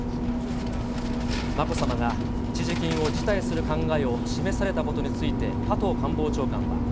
まこさまが一時金を辞退する考えを示されたことについて、加藤官房長官は。